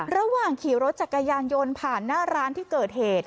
ระหว่างขี่รถจักรยานยนต์ผ่านหน้าร้านที่เกิดเหตุ